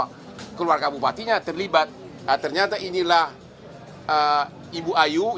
hai keluarga bupati mantan bupati saya enggak mengatakan bahwa keluarga bupati mantan bupati